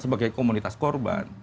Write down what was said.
sebagai komunitas korban